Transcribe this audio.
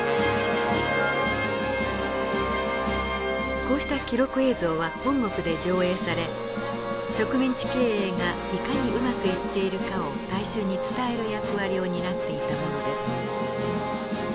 こうした記録映像は本国で上映され植民地経営がいかにうまくいっているかを大衆に伝える役割を担っていたものです。